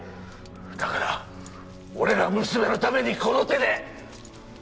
だから俺が娘のためにこの手で！